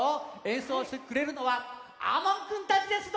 えんそうしてくれるのはあもんくんたちです！